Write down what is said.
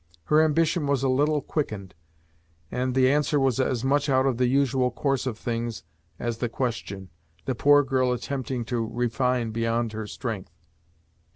Her ambition was a little quickened, and the answer was as much out of the usual course of things as the question; the poor girl attempting to refine beyond her strength.